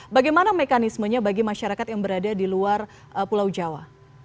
bagaimana mekanismenya bagi masyarakat yang berada di luar pulau jawa